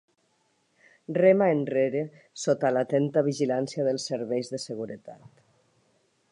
Rema enrere sota l'atenta vigilància dels serveis de seguretat.